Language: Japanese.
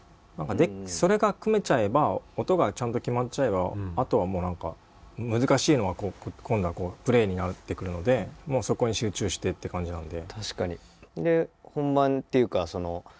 それが組めちゃえば音がちゃんと決まっちゃえばあとはもうなんか難しいのは今度はこうプレイになってくるのでもうそこに集中してって感じなので。